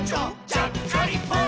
ちゃっかりポン！」